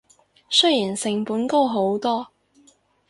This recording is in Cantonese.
雖然成本高好多